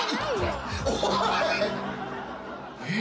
えっ？